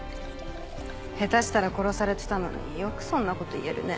下手したら殺されてたのによくそんなこと言えるね。